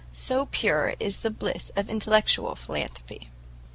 so pure is the bliss of intellectual philanthropy!